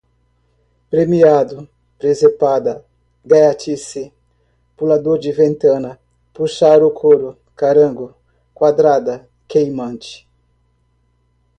premiado, presepada, gaiatice, pulador de ventana, puxar o couro, carango, quadrada, queimante